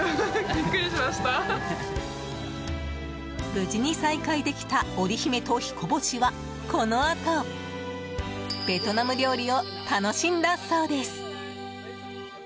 無事に再会できた織姫と彦星はこのあと、ベトナム料理を楽しんだそうです。